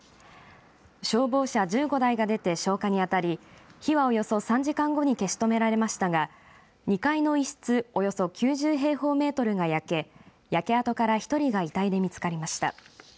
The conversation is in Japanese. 消防車１５台が出て消火に当たり火は、およそ３時間後に消し止められましたが２階の１室およそ９０平方メートルが焼け焼け跡から１人が遺体で見つかりました。